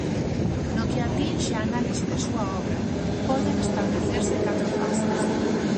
No que atinxe á análise da súa obra, poden establecerse catro fases.